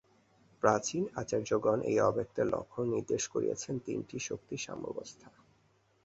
প্রাচীন আচার্যগণ এই অব্যক্তের লক্ষণ নির্দেশ করিয়াছেন তিনটি শক্তির সাম্যাবস্থা।